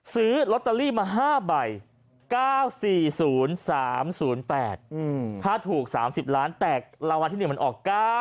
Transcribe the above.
ซื้อลอตเตอรี่มา๕ใบ๙๔๐๓๐๘ถ้าถูก๓๐ล้านแตกรางวัลที่๑มันออก๙๐